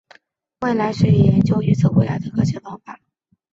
未来学也研究预测未来的科学方法。